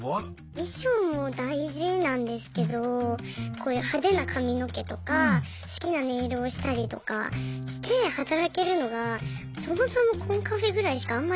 衣装も大事なんですけどこういう派手な髪の毛とか好きなネイルをしたりとかして働けるのがそもそもコンカフェぐらいしかあんまりなくて。